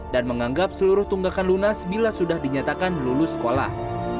dan menganggap seluruh tunggakan lunas bila sudah dinyatakan lulus sekolah